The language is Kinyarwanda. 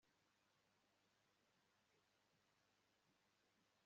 byemejwe n inteko rusange kubwiganze